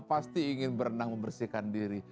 pasti ingin berenang membersihkan diri